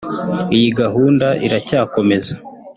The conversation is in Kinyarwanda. Iyi gahunda iracyakomeza